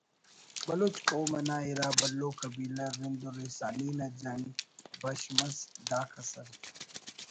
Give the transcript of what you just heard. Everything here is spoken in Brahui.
بلوچ قوم نا اِرا بھلو قبیلہ رند و رئیسانی نا جنگ بش مس دا کسر